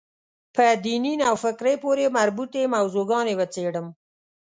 په دیني نوفکرۍ پورې مربوطې موضوع ګانې وڅېړم.